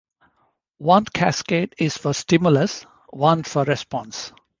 One cascade is for stimulus, one for response.